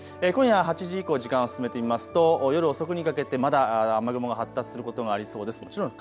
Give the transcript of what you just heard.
今夜８時以降、時間を進めてみますと夜遅くにかけてまだ雨雲が発達することもありそうです。